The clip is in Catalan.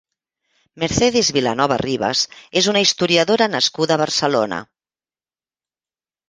Mercedes Vilanova Ribas és una historiadora nascuda a Barcelona.